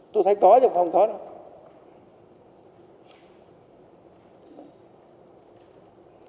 tôi thấy có chứ không có đâu